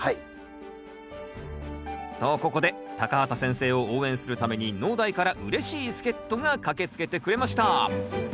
とここで畑先生を応援するために農大からうれしい助っとが駆けつけてくれました